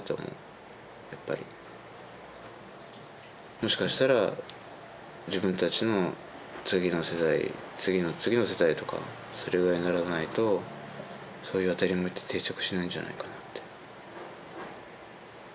もしかしたら自分たちの次の世代次の次の世代とかそれぐらいにならないとそういう「当たり前」って定着しないんじゃないかなって。